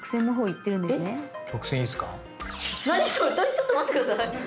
ちょっと待って下さい。